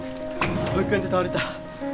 保育園で倒れた。